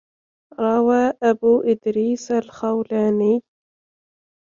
رَوَى أَبُو إدْرِيسَ الْخَوْلَانِيُّ